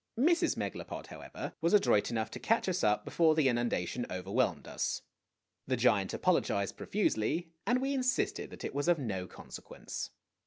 Mrs. Megalopod, however, was adroit enough to catch us up before the inundation overwhelmed us. The giant apologized profusely, and we insisted that it was of no consequence.